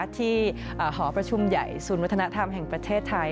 หอประชุมใหญ่ศูนย์วัฒนธรรมแห่งประเทศไทย